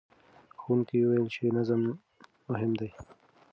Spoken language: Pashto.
ښوونکي وویل چې نظم مهم دی.